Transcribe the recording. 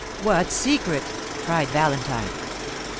"What secret?" cried Valentine.